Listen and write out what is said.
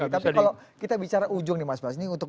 tapi kalau kita bicara ujung nih mas bas ini